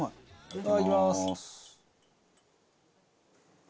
いただきます！